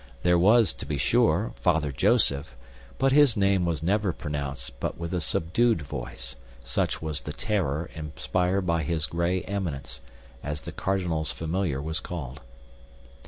There was, to be sure, Father Joseph, but his name was never pronounced but with a subdued voice, such was the terror inspired by his Gray Eminence, as the cardinal's familiar was called.